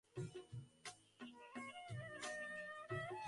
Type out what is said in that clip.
অথচ শশীর সেনদিদি সত্য কৈফিয়তই দেয়।